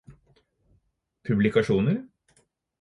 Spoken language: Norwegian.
publikasjoner